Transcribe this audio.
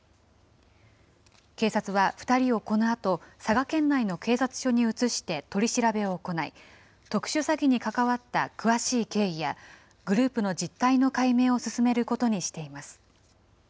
警察は２人をこのあと、佐賀県内の警察署に移して取り調べを行い、特殊詐欺に関わった詳しい経緯や、グループの実態の解明を進めることにしています。